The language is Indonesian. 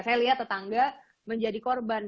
saya lihat tetangga menjadi korban